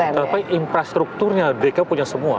tapi infrastrukturnya dki punya semua